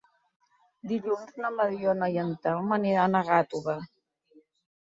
Dilluns na Mariona i en Telm aniran a Gàtova.